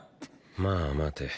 まぁ待て。